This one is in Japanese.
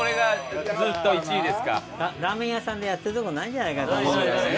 ラーメン屋さんでやってるとこないんじゃないかと思うんだよね。